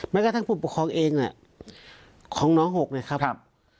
แม้กระทั่งผู้ประคองเองของน้องหกนะครับ